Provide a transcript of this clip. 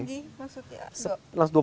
besok pagi maksudnya